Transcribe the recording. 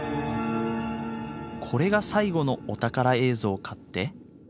これが最後のお宝映像かって？